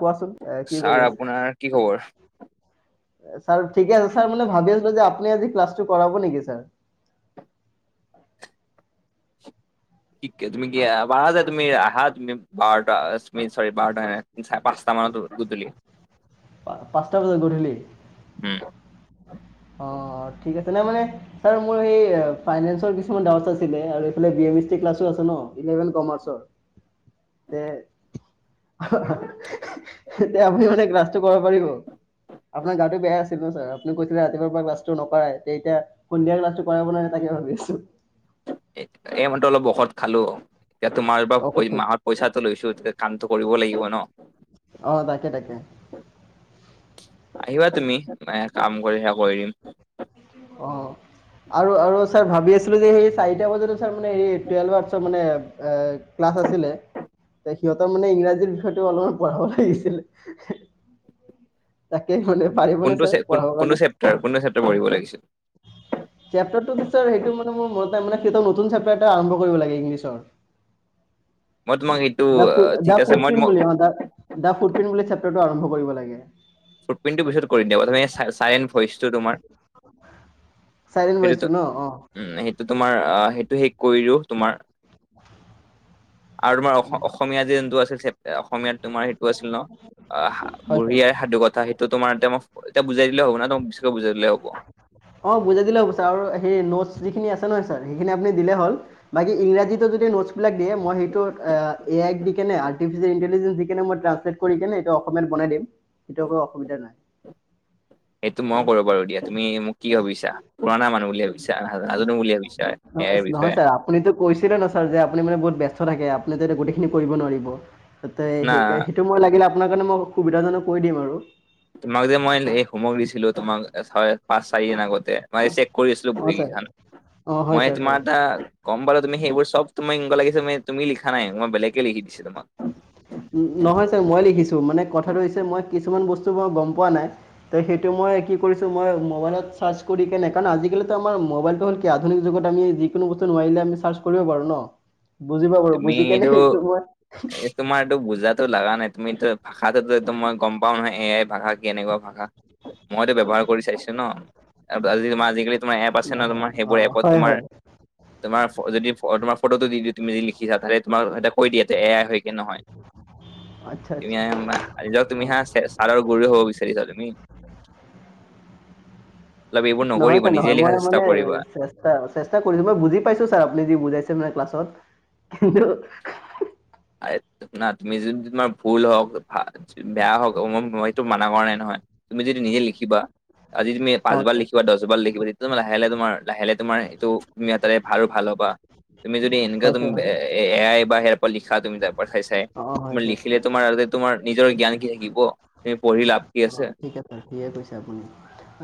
কোৱাচোন এ কি ছাৰ কৰি আছ? আপোনাৰ কি খবৰ? ছাৰ ঠিকে আছে। ছাৰ মানে ভাবি আছিলোঁ যে, আপুনি আজি ক্লাছটো কৰাব নেকি ছাৰ? ঠিকে তুমি [unintelligible] তুমি আহা তুমি [unintelligible] চৰি বাৰটা চাৰে পাঁচটা মানত [unintelligible] গধূলি। পা পাঁচটা বজাত গধূলি? উম। অ', ঠিক আছে নহয় মানে ছাৰ মোৰ এই ফাইনেন্সৰ কিছুমান ডাউটচ আছিলে আৰু এইফালে [unintelligible] ক্লাছো আছে ন? ইলেভেন কমাৰ্চৰ। [inaudible] তে এতিয়া আপুনি মানে ক্লাছটো কৰিব পাৰিব? আপোনাৰ গাটো বেয়া আছিল ন ছাৰ? আপুনি কৈছিল। [unintelligible] ৰাতিপুৱা পৰা ক্লাছটো নকৰাই। তে এতিয়া সন্ধিয়া ক্লাছটো কৰাব নে নাই তাকে ভাবি আছোঁ। এ এই মান্ত অলপ ঔষধ খালো। এতিয়া তোমাৰ পা ঔষধ এই খাইছে মাহত পইচাটো লৈছোঁ তেতিয়া কামটো কৰিব লাগিব ন? অ, তাকে, তাকে। আহিবা তুমি, বা কাম কৰি সেয়া কৰি দিম। অ, আৰু আৰু ছাৰ ভাবি আছিলোঁ যে সেই চাৰিটা বজাত তাৰমানে, সেই টুৱেলভ আৰ্টচৰ মানে এ ক্লাছ আছিলে। সিহঁতৰ মানে ইংৰাজীৰ বিষয়টো অলপমান পঢ়াব লাগিছিলে। তাকেই মানে, পাৰিব নে কোনটো ছাৰ পঢ়াব কোনটো কাৰণে? চেপ্টাৰ কোনটো চেপ্টাৰ পঢ়িব লাগিছিল চেপ্টাৰটোতো ছাৰ সেইটো মানে মোৰ মনত নাই, মানে সিহঁতৰ নতুন চেপ্টাৰ এটা আৰম্ভ কৰিব লাগে ইংলিছৰ। মই তোমাক দা ফু ঠিক দা আছে ফুট মই পিন বুলি অ, দা ফুট পিন বুলি চেপ্টাৰটো আৰম্ভ কৰিব লাগে। ফুটপ্ৰিণ্টটো পিছত কৰিম দিয়া। প্ৰথমে চা চাএন ভইচটো তোমাৰ চাইৰেন ভইচটো ন? অ। উ, সেইটো তোমাৰ অ, সেইটো শেষ কৰি দিওঁ তোমাৰ। আৰু তোমাৰ অস-অসমীয়া যে যোনটো আছিল ছেপ্টাৰ, অসমীয়াত তোমাৰ সেইটো আছিল ন? অ, সা হয় ছাৰ। বুঢ়ী আইৰ সাধু কথা, সেইটো তোমাৰ এয়াতে মই এতিয়া বুজাই দিলে হ'ব না তোমাক পিছতো বুজাই দিলে হ'ব? অ, বুজাই দিলে হ'ব ছাৰ আৰু সেই নটছ যিখিনি আছে নহয় ছাৰ, সেইখিনি আপুনি দিলেই হ'ল। বাকী ইংৰাজীতো যদি নোটছবিলাক দিয়ে, মই সেইটো এ এআইক দিকেনে, আৰ্টিফিচিয়েল ইণ্টেলিজেঞ্চ দিকেনে, মই ট্ৰান্ঞ্চলেট কৰি কেনে এইটো অসমীয়াত বনাই দিম। সেইটো একো অসুবিধা নাই। সেইটো মও কৰিব পাৰোঁ দিয়া। তুমি মোক কি ভাবিছা? পুৰণা মানুহ বুলি ভাবিছা? নাজনো বুলি ভাবিছা? এ নহয় আই নহয় বিষয়ে! ছাৰ আপুনিতো কৈছিলে ন ছাৰ? যে আপুনি মানে বহুত ব্যস্ত থাকে, আপুনিতো এতিয়া গোটেইখিনি কৰিব নোৱাৰিব। তাতে না সেইকাৰ, সেইটো মই লাগিলে আপোনাৰ কাৰণে মই সুবিধাজনক কৈ দিম আৰু তোমাক যে মই এন এই হোমৱৰ্ক দিছিলোঁ, তোমাক [unintelligible] পাছ, চাৰি দিন আগতে মই চেক কৰি আছিলোঁ অঁ ছাৰ বহীগিখান। অঁ হয় মই ছাৰ তোমাৰ হয় এটা গম পালোঁ, তুমি সেইবোৰ চব তুমি এনেকুৱা লাগিছে, তুমি-তুমি লিখা নাই। মই বেলেগে লিখি দিছে তোমাক। উ', নহয় ছাৰ মই লিখিছোঁ। মানে কথাটো হৈছে মই কিছুমান বস্তু বাৰু গম পোৱা নাই! তো সেইটো মই কি কৰিছোঁ, মই মোবাইলত চাৰ্চ কৰি কেনে, কাৰণ আজিকালিতো আমাৰ মোবাইলটো হ'ল কি এতিয়া আধুনীক যুগত আমি যিকোনো বস্তু নোৱাৰিলে আমি চাৰ্চ কৰিব পাৰোঁ ন? [inaudible] বুজি পাওঁ বাৰু বুজি কেনে এইটো মই তোমাৰটো বুজাতো লাগা নাই। তুমিতো ভাষাতো টো এইটো মই গম পাওঁ নহয়, এ আই ভাষা কেনেকুৱা ভাষা। মইতো ব্যৱহাৰ কৰি চাইছোঁ। অ আজিকালি মই আজিকালি তোমাৰ এপ আছে ন নহয় তোমাৰ, সেইবোৰ অঁ এপত হয় তোমাৰ হয় তোমাৰ ফ যদি ফ তোমাৰ ফটোতো দি দিয়ে, তুমি দেখিছাঁ তাতে তোমাৰ তাতে কৈ দিয়া এ আই হয় কি নহয়। আচ্ছা তুমি আচ্ছা [unintelligible] তুমি অঁ হা ছাৰৰ গুৰু হ'ব বিচাৰিছা তুমি। অলপ এইবোৰ নহয় নকৰিবা ছাৰ নহয় নিজে লিখা মই চেষ্টা মানে কৰিবা। চেষ্টা চেষ্টা কৰিছো মই বুজি পাইছো ছাৰ আপুনি যি বুজাইছে মানে ক্লাছত। কিন্তু না তুমি যদি তোমাৰ ভুল হওঁক ভাল বেয়া হওক মই-মইটো মানা কৰা নাই নহয়, তুমি যদি নিজে লিখিবা আজি তুমি অঁ পাঁচবাৰ ছাৰ লিখিবা, দহ বাৰ লিখিবা তোমাৰ লাহ লাহে তোমাৰ লাহে লাহে তোমাৰ এইটো তোমাৰ আৰু ভাল হ'বা। তুমি যদি এনেকা হয় তুমি ছাৰ হয় এ আই বা সে পৰা লি তুমি তাৰ পা চাই চাই, অঁ হয় তোমাৰ ছাৰ লিখিলে তোমাৰ আগতে তোমাৰ নিজৰ জ্ঞান কি থাকিব। তুমি পঢ়িলা অ ঠিক আছে সিয়ে কৈছে আপুনি।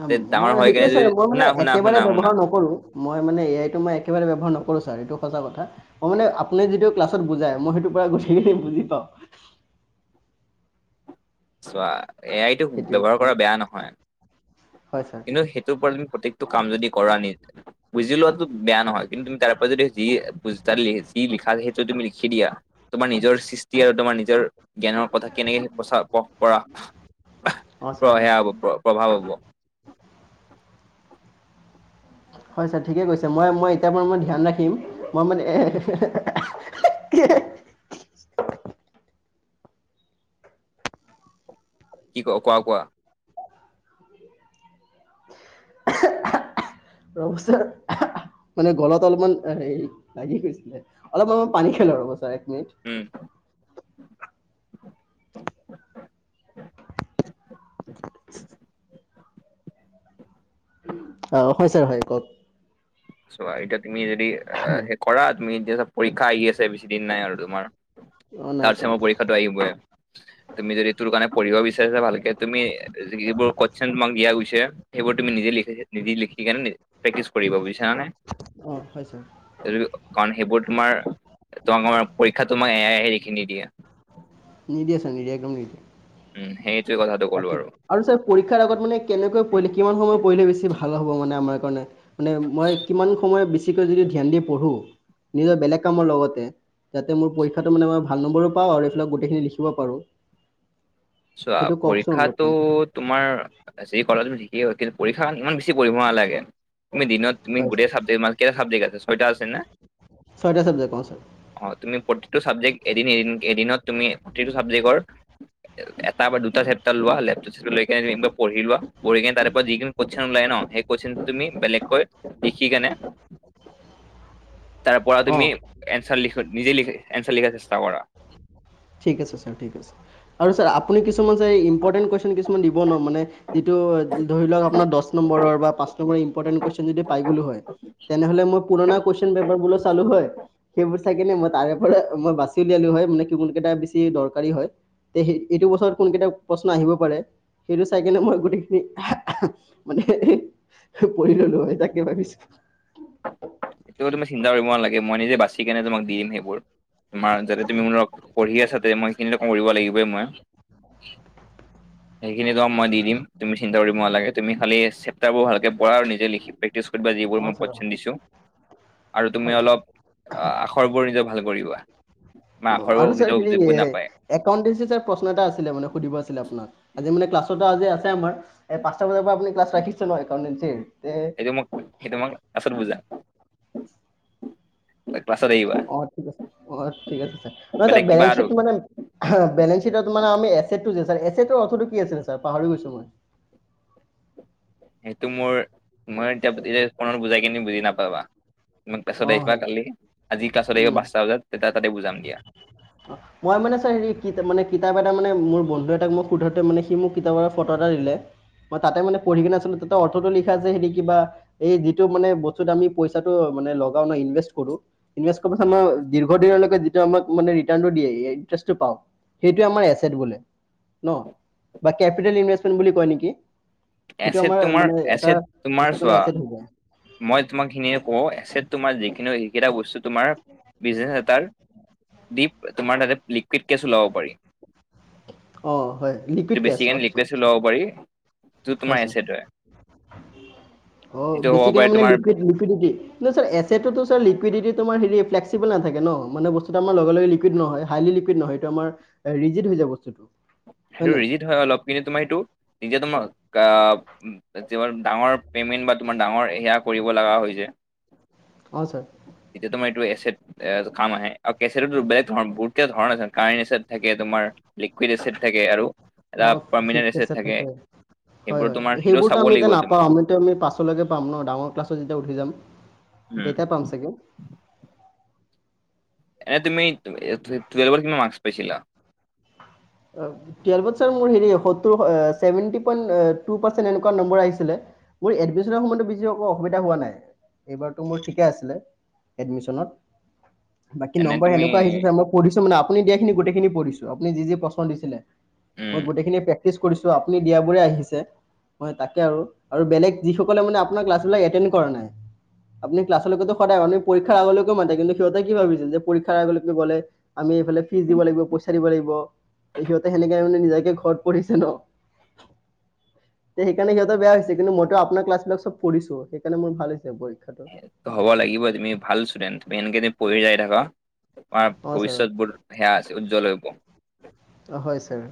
তে ডাঙৰ মই হৈ কেনে সেইটোয়ে যদি ছাৰ মই শুনা মানে শুনা একেবাৰে শুনা শুনা ব্যবহাৰ নকৰোঁ। মই মানে এ আইটো মই একেবাৰে ব্যৱহাৰ নকৰোঁ ছাৰ এইটো সচা কথা। মই মানে আপুনি যিটো ক্লাছত ত বুজাই মই সেইটো পৰা গুটেই গি বুজি পাওঁ। চোৱা এ আই টো সেইটোৱে ব্যৱহাৰ অ কৰা বেয়া নহয়। হয় ছাৰ। কিন্তু সেইটোৰ পৰা তুমি প্ৰত্যেকটো কাম যদি কৰা নি বুজি লোৱাতো বেয়া নহয়, কিন্তু তুমি তাৰ পৰা যদি যি তাত যি লিখা সেইটো তুমি লিখি দিয়া। তোমাৰ নিজৰ সৃষ্টি আৰু তোমাৰ নিজৰ জ্ঞানৰ কথা কেনেকে প্ৰচাৰ পৰা অ ছাৰ প্ৰ অ সেয়া হ'ব প্ৰ প্ৰভাৱ হ'ব। হয় ছাৰ ঠিকে কৈছে মই মই এতিয়াৰ পৰা মই ধ্যান ৰাখিম, মই মানে কি ক কোৱা কোৱা। [unintelligible] ৰব ছাৰ মনে গলত অলপ মান হেৰি লাগি গৈছিলে। অলপ সময় পানী খালো লো ৰ'ব ছাৰ এক মিনিট। উম। [unintelligible] অ হয় ছাৰ হয় কওক। চোৱা এতিয়া তুমি যদি সেই কৰা তুমি এতিয়া চ পৰীক্ষা আহি আছে বেছি দিন নাই আৰু তোমাৰ। অ নাই তাৰ পিছত ছাৰ আমাৰ নাই পৰীক্ষাটো আহিবই। তুমি যদি তোৰ কাৰণে পঢ়িব বিচাৰিছা ভালকে তুমি যিবোৰ কুচ্চন তোমাক দিয়া গৈছে। সেইবোৰ তুমি নিজে লখি নিজে লিখি কেনে প্ৰেক্টিচ কৰিব। বুজিছা নে? অ হয় ছাৰ। কাৰণ সেইবোৰ তোমাৰ, তোমাক পৰীক্ষা তোমাক এয়াই লিখিনি নিদিয়ে। নিদিয় ছাৰ নিদিয়ে একদম নিদিয়ে। উম সেইটোৱে কথাটো ক'লো তাকে আৰু। আৰু ছাৰ পৰীক্ষাৰ আগত মানে কেনেকৈ পঢ়লে কিমান সময়ত পঢ়িলে বেছি ভাল হ'ব মানে আমাৰ কাৰণে? মানে মই কিমান সময় বেছিকৈ যদি ধ্যান দি পঢ়ো, নিজৰ বেলেগ কামৰ লগতে যাতে মোৰ পৰীক্ষাটো মানে মই ভাল নম্বৰো পাওঁ আৰু এইবিলাক গোটেইখিনি লিখিব পাৰোঁ। চোৱা সেইটো কওকচোন পৰীক্ষাটো অলপমান তোমাৰ যি কৰা তুমি যি কেই হক কিন্তু পৰীক্ষা ইমান বেছি পঢ়িব নালাগে তুমি দিনত তুমি হয় গোটেই ছাৰ চাবজেক ম কেইটা চাবজেকট আছে ছয়টা আছে না? ছয়টা চাবজেক্ট অঁ অ তুমি প্ৰতিটো ছাবজেক্ট এদিন এদিন এদিনত তুমি প্ৰতিটো চাবজেক্টৰ এটা বা দুটা চেপটাৰ লোৱা লেপটপ চেপাৰ লৈনে পঢ়ি লোৱা পঢ়ি কিনে তাৰত যিখিনি কচ্চন ওলাই ন সেই কচ্চনটো তুমি বেলেগকৈ লিখি কেনে তাৰ পৰা ছাৰ তুমি অঁ এঞ্চাৰ লখ নিজে লিখ এনসাৰ লিখাৰ চেষ্টা কৰা। ঠিক আছে ছাৰ, ঠিক আছে। আৰু ছাৰ আপুনি কিছুমান ছাৰ ইম্পৰ্টেণ্ট কুৱেশ্যন কিছুমান দিব ন মানে যিটো ধৰি লওক আপোনাৰ দহ নম্বৰৰ বা পাঁচ নম্বৰ ইম্পৰ্টেন কচ্চন যদি পাই গলোঁ হয়, তেনেহলে মই পুৰণা। কোৱেচন পেপাৰ বোৰো চালোঁ হয়, সেইবোৰ চায় কিনে মই তাৰে পৰা মই বাচি উলিয়ালোঁ হয়। মা কোন কেইটা বেছি দৰকাৰী হয়, তে এইটো বছৰত কোনকেইটা প্ৰশ্ন আহিব পাৰে? সেইটো চাইকিনে মই গোটেইখিনি মানে। পৰি ললো হয় তাকে ভাবিছোঁ। ত' তুমি চিন্তা কৰিব নালাগে, মই নিজে বাচি কেনে তোমাক দিম সেইবোৰ। তোমাৰ যাতে তুমি মোৰ পঢ়ি আছা, মই সেইখিনি কৰিব লাগিবই মই। [inaudible] সেইখিনি কাম মই দি দিম, তুমি চিন্তা কৰিব নালাগে, তুমি খালি চেপ্তাৰ বোৰ ভালকৈ পঢ়া আৰু- লিখি প্ৰেক্টিছ কৰিবা, অ যিবোৰ মই ছাৰ কোৱেছন দিছো। আৰু তুমি হয় ছাৰ অলপ আখৰবোৰ নিজে ভাল কৰিবা। বা অ', আৰু ছাৰ আখৰবোৰ হেৰি যিবোৰ নাপায় একাউণ্টেঞ্চি ছাৰ প্ৰশ্ন এটা আছিলে মানে, সুধিব আছিলে আপোনাক। আজি মানে ক্লাছত আজি আছে আমাৰ, এ পাঁচটা বজাৰ পৰা আপুনি ক্লাছ ৰাখিছে নহয়, একাউণ্টেন্সী সেইটো, মই সেইটো মই আৰ্টছত বুজা। ই ক্লাছত আহিবা। অ', ঠিক আছে। অ', ঠিক আছে ছাৰ, নহয় ছাৰ বেলেগ কিবা বেলেঞ্চ আৰু শিট মানে বেলেঞ্চ শিটত তো মানে আমি এছেতটোৰ যে ছাৰ, এছেটৰ অৰ্থটো কি আছিলে ছাৰ পাহৰি গৈছোঁ মই। সেইটো মোৰ মই এতিয়া, এতিয়া ফোনত বুজাই কিনি বুজি নাপাবা। তোমাৰ অ ক্লাছত আহিবা হয় কালি, আজি ক্লাছত আহিবা উম পাঁচটা বজাত তেতিয়া তাতে বুজাম দিয়া। [unintelligible] মই মানে ছাৰ হেৰি, কি কিতাপ এটা মানে মোৰ বন্ধু এটাক মই সোধোতে মানে সি মোক কিতাপ আৰু ফটো এটা দিলে। মই তাতে মানে পঢ়ি কিনে আছিলোঁ টো, অৰ্থটো লিখা হেৰি কিবা, এই যিটো মানে বস্তুত আমি পইচাটো মানে লগাও ন, ইনভেষ্ট কৰোঁ। ইনভেষ্ট কৰাৰ পাছত মানে দীৰ্ঘদিনলৈ যিটো আমাক মানে ৰিটাৰ্ণটো দিয়ে, ইণ্টাৰেষ্টটো পাওঁ। সেইটোৱে আমাৰ এছেট বোলে ন, বাকী কেপিটেল ইনভেষ্টমেণ্ট বুলি কয় নেকি! সেইটো এছেট আমাৰ তোমাৰ মানে এটা এছেট তোমাৰ বস্তু চোৱা কাৰণে এছেট হ'ব। মই তোমাক এইখিনিয়ে কওঁ এছেট তোমাৰ যিখিনি হয় সেইকেইটা বস্তু। তোমাৰ বিজনেছ এটাৰ, দিপ তোমাৰ তাতে লিকুইড কেছও ল'ব পাৰি। অ', হয় লিকুইড সেইটো কেছ, বেছিকে অ', আচ্ছা লিকুইড আচ্ছা। ওলাব পাৰি সেইটো তোমাৰ হয় ছাৰ। এছেট অ', সেইটো হ'ব বেছিকৈ পাৰে মানে তোমাৰ লিকুইত লিকুইত নেকি? নাই ছাৰ এছেডটোতো ছাৰ লিকুইডিটি তোমাৰ হেৰি প্লেক্সচিভিল নাথাকে ন। মানে বস্তুটো আমাৰ লগে লগে লিকুইত নহয়। হাইলি লিকুইড নহয়, এইটো আমাৰ ৰিজিত হৈ যাব বস্তুটো। সেইটো হয়নে ৰিজিত হয়, অলপ পিছত তোমাৰ সেইটো ৰিজীত তোমাক আ যিমান ডাঙৰ পেমেন্ট বা তোমাৰ ডাঙৰ সেয়া কৰিব লগা হয় যে। অ', ছাৰ। এতিয়া তোমাৰ এইটো এছেড। এ কাম আহে আৰু এছেট বেলেগ ধৰণ, বহুত কেইটা ধৰণ আছে কাৰেণ্ট এছেট থাকে, তোমাৰ- লিকুইডড এছেট থাকে আৰু। অ', পিক এছেট থাকে। হয় সেইবোৰ হয়, তোমাৰ হিৰো সেইবোৰতো চাব আমি লাগিব এতিয়া তুমি নাপাওঁ আমিতো আমি পাছলৈকে পাম ন ডাঙৰ ক্লাছত যেতিয়া উঠি যাম। উম কেইটা পাম চাগে। এ তুমি টুৱেলভত কিমান মাৰ্ক্স পাইছিলা। অ', টুৱেলভত ছাৰ মোৰ হেৰি সত্তৰ আ ছেভেনটি পইণ্ট টু পাৰ্চেণ্ট এনেকুৱা নম্বৰ আহিছিলে। মোৰ এডমিশনৰ সময়তো বেছি একো অসুবিধা হোৱা নাই। এইবাৰতো মোৰ ঠিকে আছিলে, এডমিশনত। বাকী এনে নম্বৰ তুমি এনেকুৱা আহিছে ছাৰ, মই পঢ়িছো মানে আপুনি দিয়াখিনি গোটেইখিনি পঢ়িছো, আপুনি যি যি প্ৰশ্ন দিছিলে। মই উম গোটেইখিনি প্ৰেক্টিচ কৰিছোঁ, আপুনি দিয়াবোৰে আহিছে। হয় তাকে আৰু, আৰু বেলেগ যিসকলে মানে আপোনাৰ ক্লাছ বিলাক এটেণ্ড কৰা নাই। আপুনি ক্লাছলৈকেটো সদায় মাতে, পৰীক্ষা আগলৈকে মাতে কিন্তু সিহঁতে কি ভাবিছে যে পৰীক্ষা আগলৈকে গ'লে- আমি এইফালে ফিজ দিব লাগিব, পইচা দিব লাগিব। যে সিহঁতে সেনেকে মানে নিজাকে ঘৰত পঢ়িছে ন। তে সেইকাৰণে সিহঁতৰ বেয়া হৈছে। কিন্তু, মইটো আপোনাৰ ক্লাছবিলাক চ'ব পঢ়িছো। সেইকাৰণে মোৰ ভাল হৈছে পৰীক্ষাটোত। হ'ব লাগিব। তুমি ভাল ষ্টুডেণ্ট এনেকে যদি পঢ়ি যায় থাকা তোমাৰ অঁ ছাৰ ভৱিষ্যত বোৰ সেয়া আছে, উজ্বল হ'ব। হয় ছাৰ,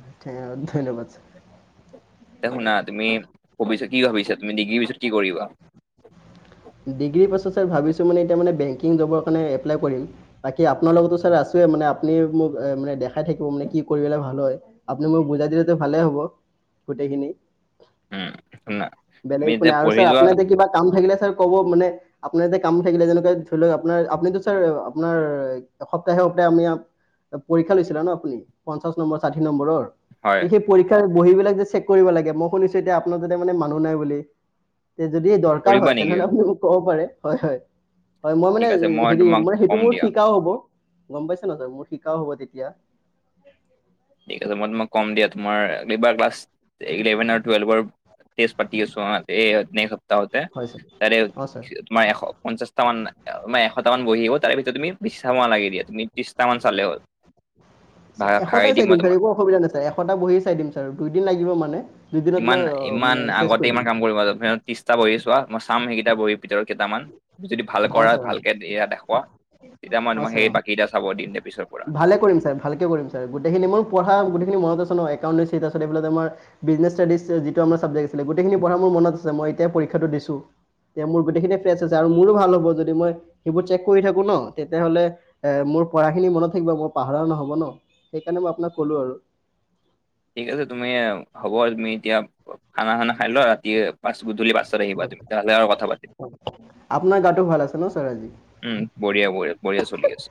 ধন্যবাদ ছাৰ। এ এইটো শুনা তুমি ভবিষ্যচত কি ভাবিছা, তুমি ডিগ্ৰী পিছত কি কৰিবা। ডিগ্ৰী পাছত ভাবিছোঁ মানে এতিয়া মানে বেংকিং জবৰ কাৰণে এপ্লাই কৰিম। বাকী আপোনাৰ লগতো ছাৰ আছোৱে মানে আপুনি মোক মানে দেখাই থাকিব। মানে কি কৰি গ'লে ভাল হয়। আপুনি মোক বুজাই দিলেতো ভালে হ'ব গোটেইখিনি। উম শুনা তুমি বেলেগ একো এতিয়া নাই আৰু পঢ়ি ছাৰ যোৱা আপোনাৰ যে কিবা কাম থাকিলে ছাৰ ক'ব মানে। আপোনাৰ কাম থাকিলে যেনেকুৱে ধৰি লওঁক আপোনাৰ আপনিতো ছাৰ আপোনাৰ এসপ্তাহে সপ্তাহ আমি পৰীক্ষা লৈছিলে না আপুনি পঞ্চাছ নম্বৰ, ষাঠি নম্বৰৰ। হয় দে সেই পৰীক্ষাৰ বহী বিলাক যে চেক কৰিব লাগে মই শুনিছোঁ এতিয়া আপোনাৰ যাতে মানে মানুহ নাই বুলি। তে যদি দৰকাৰ কৰিবা হয়। নেকি তেনেহ'লে আপুনি ক'ব পাৰে, হয়, হয়, হয়। মই মানে ঠিক আছে মই হেৰি তোমাক মানে সেইটো কম মোৰ দিয়া শিকাওঁ হ'ব। গ'ম পাইছানে নহ ছাৰ মোৰ শিকাওঁ হ'ব তেতিয়া। ঠিক আছে, মই তোমাক কম দিয়া। তোমাৰ এইবাৰ ক্লাছ ইলেভেন আৰু টুৱেলভৰ। টেষ্টত পাতি আছোঁ বা এই নে সপ্তাহতে হয় ছাৰ তাৰে। অঁ ছাৰ মান এশ পঞ্চাশটা মান ম এশটা মান বহি হ'ব, তাৰে ভিতৰত তুমি বেছি চাব নালাগে দিয়া তুমি ত্ৰিশটা মান চালে হ'ল। [inaudible] ছাৰ ভাগাই এশটাই চাই মই দিম ছাৰ, তোমাক একো অসুবিধা নাই ছাৰ এশটা বহি চাই দিম ছাৰ দুইদিন লাগিব মানে। দুইদিনত ইমান মই আহ, ইমান মানে চেছ আগতে কৰি ইমান দিম কাম কৰিব আৰু ত্ৰিছটা বহি চোৱা। মই চাম সেইকেইটা বহিৰ ভিতৰত কেইটামান যদি ভাল অঁ কৰা ছাৰ অঁ ভালকে এয়া দেখুুৱা। তেতিয়া মই অঁ তোমাক ছাৰ সেই অঁ বাকীকেইটা চাব দিন পিছৰ পৰা। ভালে কৰিম ছাৰ। ভালকৈ কৰিম ছাৰ গোটেইখিনি মোৰ পঢ় গোটখিন মনত আ ন একাউণ্ছেটাৰিছ এইফাল আমাৰ ব্ৰিজনেছ ষ্টাডিজ যিটো আমাৰ চাবজেক্ট আছিলে গোেইখিনি পঢ়া মোৰ মনত আ মই এতিয়া পৰীক্ষাটো দিছোঁ। যে মোৰ গোটেইখিনি ফ্ৰেছ আছে আৰু মোৰো ভাল হ'ব যদি মই সেইবোৰ চেক কৰি থাকো। ন তেতিয়া হ'লে এ মোৰ পঢ়া খিনি মনত থাকিব মই পাহৰা নহ'ব ন। সেইকাৰণে মই আপোনাক ক'লো আৰু ঠিক আছে, তুমি হ'ব তুমি এতিয়া খানা খানা খাই লোৱা ৰাতি পাচ গুধূলি পাছ। আপোনাৰ গাটো ভাল আছে ন ছাৰ আজি। উম, বঢ়িয়া, বঢ়িয়া, বঢ়িয়া চলি আছে।